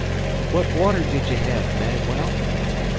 "What water did ye hev, Manuel?"